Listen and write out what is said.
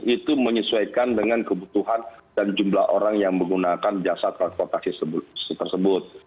itu menyesuaikan dengan kebutuhan dan jumlah orang yang menggunakan jasa transportasi tersebut